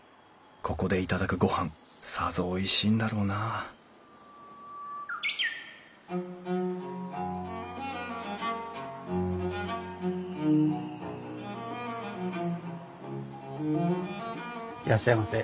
ここで頂くごはんさぞおいしいんだろうないらっしゃいませ。